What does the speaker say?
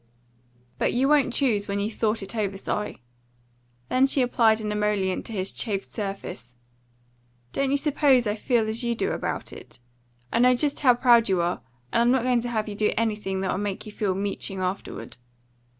"But you won't choose when you've thought it over, Si." Then she applied an emollient to his chafed surface. "Don't you suppose I feel as you do about it? I know just how proud you are, and I'm not going to have you do anything that will make you feel meeching afterward.